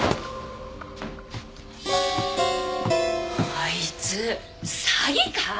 あいつ詐欺か！？